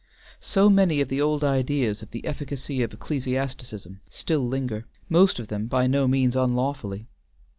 So many of the old ideas of the efficacy of ecclesiasticism still linger, most of them by no means unlawfully.